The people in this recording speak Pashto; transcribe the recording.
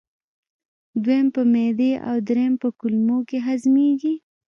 دویم په معدې او دریم په کولمو کې هضمېږي.